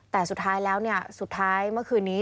แต่สุดท้ายแล้วสุดท้ายเมื่อคืนนี้